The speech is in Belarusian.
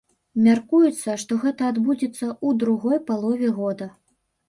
Мяркуецца, што гэта адбудзецца ў другой палове года.